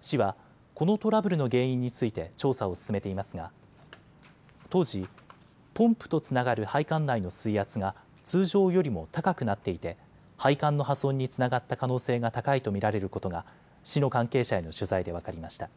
市はこのトラブルの原因について調査を進めていますが当時、ポンプとつながる配管内の水圧が通常よりも高くなっていて配管の破損につながった可能性が高いと見られることが市の関係者への取材で分かりました。